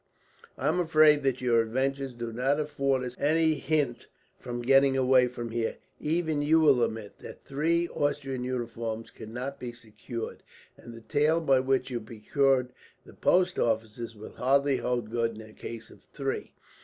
"I am afraid that your adventures do not afford us any hint for getting away from here. Even you will admit that three Austrian uniforms could not be secured, and the tale by which you procured the post horses would hardly hold good in the case of three."